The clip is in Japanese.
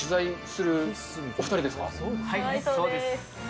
はい、そうです。